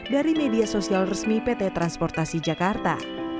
dari media sosial resmi pt transportasi jakarta